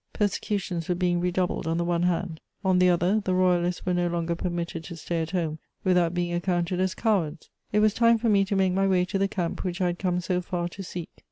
Persecutions were being redoubled on the one hand; on the other, the Royalists were no longer permitted to stay at home without being accounted as cowards: it was time for me to make my way to the camp which I had come so far to seek.